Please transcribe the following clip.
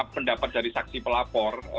pendapat dari saksi pelapor